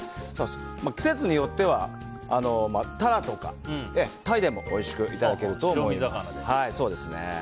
季節によってはタラとかタイでもおいしくいただけると思います。